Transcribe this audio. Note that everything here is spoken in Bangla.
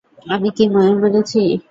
আমি কী ময়ূর মেরেছি?